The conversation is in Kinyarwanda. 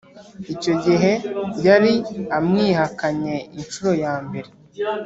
” icyo gihe yari amwihakanye incuro ya mbere,